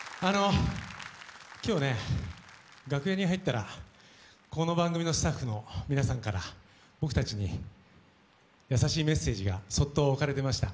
今日ね、楽屋に入ったらこの番組のスタッフの皆さんから僕たちに優しいメッセージがそっと置かれてました。